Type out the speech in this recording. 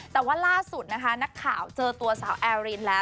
แต่ว่าล่าสุดนะคะนักข่าวเจอตัวสาวแอรินแล้ว